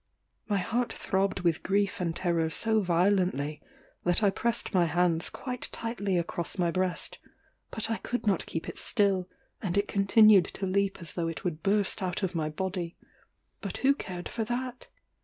My heart throbbed with grief and terror so violently, that I pressed my hands quite tightly across my breast, but I could not keep it still, and it continued to leap as though it would burst out of my body. But who cared for that?